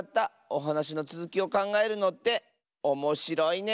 おはなしのつづきをかんがえるのっておもしろいね。